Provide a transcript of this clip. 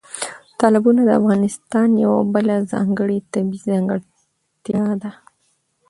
تالابونه د افغانستان یوه بله ځانګړې طبیعي ځانګړتیا ده.